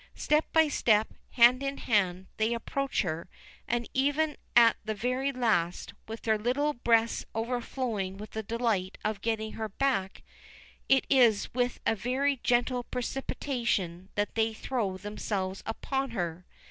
Step by step, hand in hand, they approach her, and even at the very last, with their little breasts overflowing with the delight of getting her back, it is with a very gentle precipitation that they throw themselves upon her.